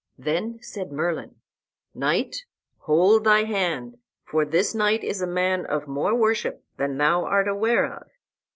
Then said Merlin, "Knight, hold thy hand, for this knight is a man of more worship than thou art aware of."